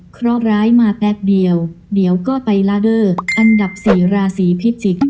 เพราะร้ายมาแป๊บเดียวเดี๋ยวก็ไปลาเดอร์อันดับ๔ราศีพิจิกษ์